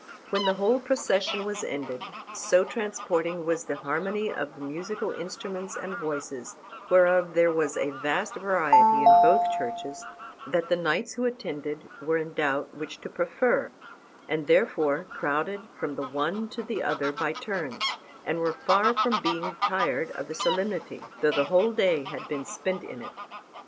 When the whole procession was ended so transporting was the harmony of the musical instruments and voices, whereof there was a vast variety in both churches, that the knights who attended were in doubt which to prefer, and therefore crowded from the one to the other by turns, and were far from being tired of the solemnity, though the whole day had been spent in it.